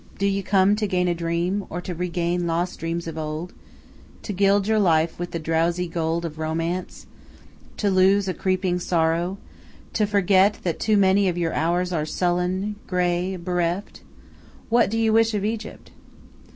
Do you come to gain a dream, or to regain lost dreams of old; to gild your life with the drowsy gold of romance, to lose a creeping sorrow, to forget that too many of your hours are sullen, grey, bereft? What do you wish of Egypt?